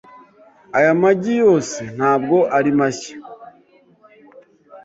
Aya magi yose ntabwo ari mashya.